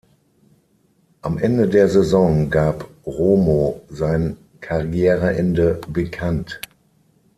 Am Ende der Saison gab Romo sein Karriereende bekannt.